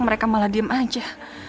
mereka malah diem aja